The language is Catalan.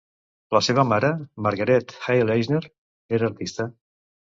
La seva mare, Margarete Heil-Eisner, era artista.